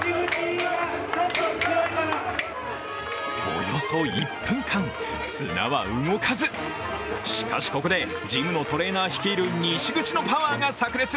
およそ１分間、縄は動かずしかし、ここでジムのトレーナー率いる西口のパワーがさく裂。